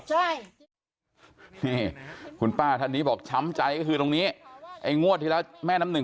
ใช่นี่คุณป้าท่านนี้บอกช้ำใจก็คือตรงนี้ไอ้งวดที่แล้วแม่น้ำหนึ่ง